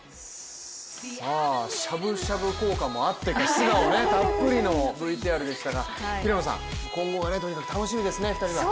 しゃぶしゃぶ効果もあって素顔がたっぷりのＶＴＲでしたが、平野さん、今後がとにかく楽しみですね。